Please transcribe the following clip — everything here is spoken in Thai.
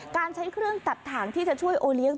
การใช้เครื่องตัดถ่างที่จะช่วยโอเลี้ยง